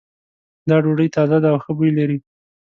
دا ډوډۍ تازه ده او ښه بوی لری